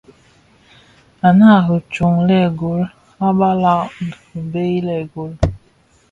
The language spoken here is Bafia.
Ànë à riì tyông lëëgol, a balàg rì byey lëëgol.